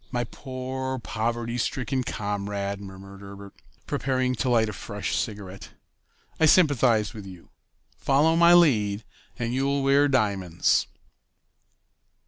"My poor, poverty stricken comrade!" murmured Herbert, preparing to light a fresh cigarette. "I sympathize with you. Follow my lead, and you'll wear diamonds."